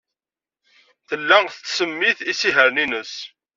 Tella tettsemmit isihaṛen-nnes.